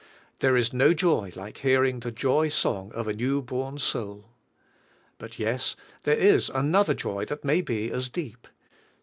There is no joy like hearing the joy song of a new born soul. But yes, there is another joy that may be as deep.